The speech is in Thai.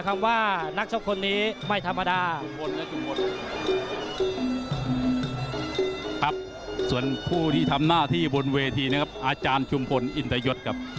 ครับส่วนผู้ที่ทำหน้าที่บนเวทีนะครับอาจารย์ชุมพลอินตยศครับ